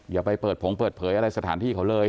อย่าไปเปิดผงเปิดเผยอะไรสถานที่เขาเลย